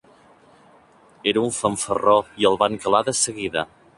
Era un fanfarró i el van calar de seguida.